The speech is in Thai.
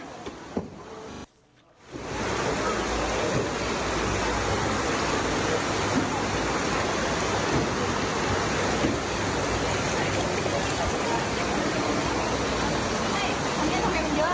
หรือว่าไม่ต่อหรือว่าอยู่ตรงนี้